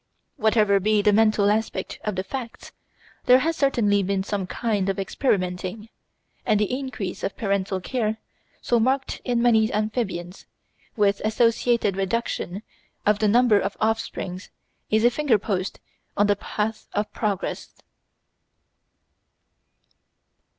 Whatever be the mental aspect of the facts, there has certainly been some kind of experimenting, and the increase of parental care, so marked in many amphibians, with associated reduction of the number of offspring is a finger post on the path of progress.